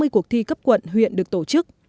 ba mươi cuộc thi cấp quận huyện được tổ chức